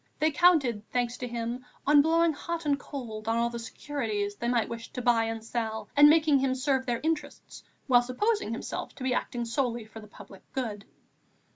They counted, thanks to him, on blowing hot and cold on all the securities they might wish to buy and sell, and making him serve their interests while supposing himself to be acting solely for the public good.